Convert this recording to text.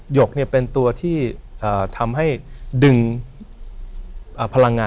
หยกเป็นตัวที่ทำให้ดึง